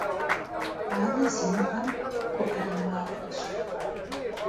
Ane zimı'em gu'er yi maxueş.